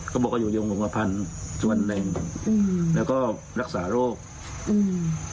ก็บอกว่าอยู่ยงหงพันธุ์ส่วนหนึ่งอืมแล้วก็รักษาโรคอืม